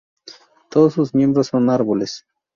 Todos sus miembros son árboles.